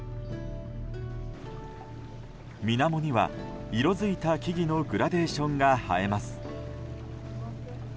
水面には色づいた木々のグラデーションが映えます。